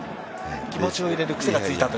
気持ちを入れる癖がついたと。